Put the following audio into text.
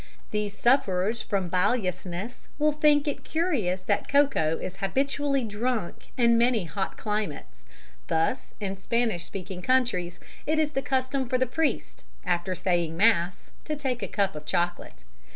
These sufferers from biliousness will think it curious that cocoa is habitually drunk in many hot climates, thus, in Spanish speaking countries, it is the custom for the priest, after saying mass, to take a cup of chocolate.